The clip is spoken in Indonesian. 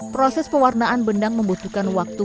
proses pewarnaan benang membutuhkan waktu